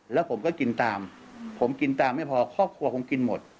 แล้วผมก็กินตามผมกินตามไม่พอครอบครัวผมกินหมด